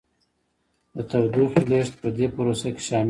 د تودوخې لیږد په دې پروسه کې شامل دی.